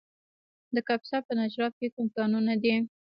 د کاپیسا په نجراب کې کوم کانونه دي؟